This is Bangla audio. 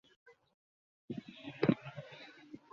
এই মেয়েটাকে তুই কতটুকু চিনিস?